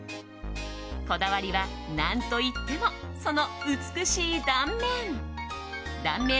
こだわりは何といってもその美しい断面！